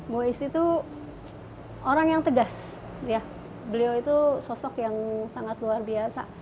boyz itu orang yang tegas beliau itu sosok yang sangat luar biasa